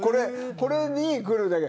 これに来るだけ。